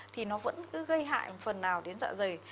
thì nó vẫn cứ gây hại phần nào đến dạ dày